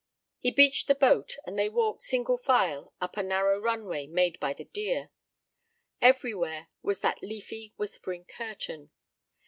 He beached the boat, and they walked, single file, up a narrow run way made by the deer. Everywhere was that leafy whispering curtain.